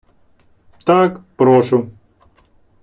Так, прошу.